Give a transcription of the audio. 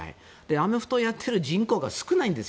アメフトをやっている人口が少ないんです。